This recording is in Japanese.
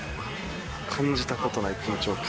感じたことない緊張感。